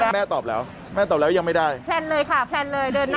อะได้คำตอบแล้วนะทุกคนได้คำตอบแล้วนะ